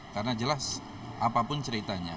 karena jelas apapun ceritanya